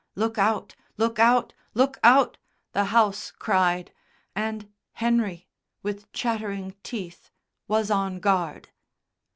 "Look out! Look out! Look out!" the house cried, and Henry, with chattering teeth, was on guard.